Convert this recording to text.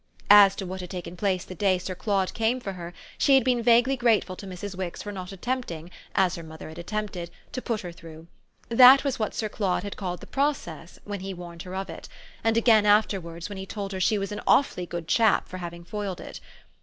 As to what had taken place the day Sir Claude came for her, she had been vaguely grateful to Mrs. Wix for not attempting, as her mother had attempted, to put her through. That was what Sir Claude had called the process when he warned her of it, and again afterwards when he told her she was an awfully good "chap" for having foiled it.